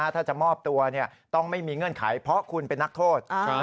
ถ้าจะมอบตัวต้องไม่มีเงื่อนไขเพราะคุณเป็นนักโทษ